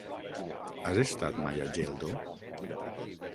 Has estat mai a Geldo?